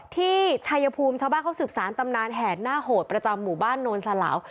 ที่ชายภูมิชาวบ้านเขาศึกสร้างตำนานแห่นโง่โหดประจำหมู่บ้านนวลสลาว